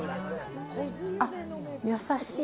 あっ、優しい。